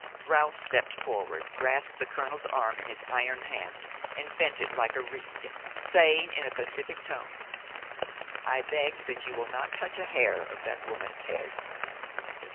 Ralph stepped forward, grasped the colonel's arm in his iron hand and bent it like a reed, saying in a pacific tone: "I beg that you will not touch a hair of that woman's head."